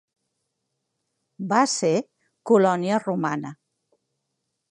Va ser colònia romana.